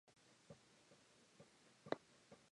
They rambled about till the bells rang in all the churches.